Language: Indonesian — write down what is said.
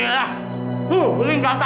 lama banget sih ini makanannya